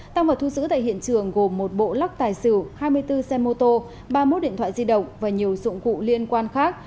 tăng vật thu giữ tại hiện trường gồm một bộ lắc tài xỉu hai mươi bốn xe mô tô ba mươi một điện thoại di động và nhiều dụng cụ liên quan khác